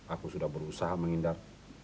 aku sudah berusaha menghindar